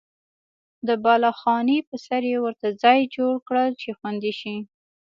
د بالاخانې په سر یې ورته ځای جوړ کړل چې خوندي شي.